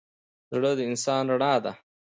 زړه د انسان رڼا ده.